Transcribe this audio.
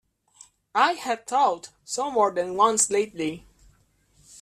I had thought so more than once lately.